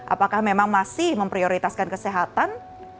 apakah memang masih memprioritaskan kesehatan